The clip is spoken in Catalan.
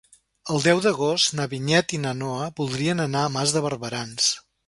El deu d'agost na Vinyet i na Noa voldrien anar a Mas de Barberans.